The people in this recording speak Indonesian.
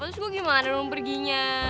terus gue gimana dong perginya